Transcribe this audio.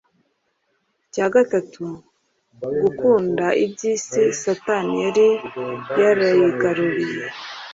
icya gatatu, gukunda iby’isi. Satani yari yarigaruriye